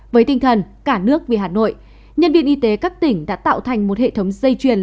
với tinh thần cả nước vì hà nội nhân viên y tế các tỉnh đã tạo thành một hệ thống dây chuyền